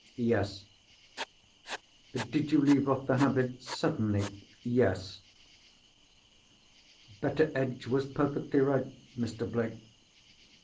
"Yes." "Did you leave off the habit suddenly?" "Yes." "Betteredge was perfectly right, Mr. Blake.